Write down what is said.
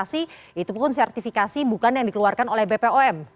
jadi sertifikasi itu pun sertifikasi bukan yang dikeluarkan oleh bpom